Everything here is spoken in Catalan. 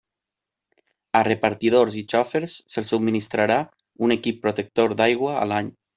A repartidors i xofers se'ls subministrarà un equip protector d'aigua a l'any.